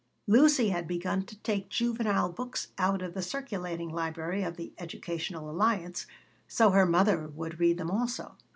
Lucy had begun to take juvenile books out of the circulating library of the Educational Alliance, so her mother would read them also.